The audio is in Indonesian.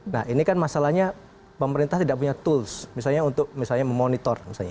nah ini kan masalahnya pemerintah tidak punya tools misalnya untuk misalnya memonitor misalnya